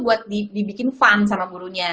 buat dibikin fun sama gurunya